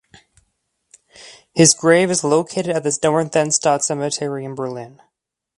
His grave is located at the Dorotheenstadt Cemetery in Berlin.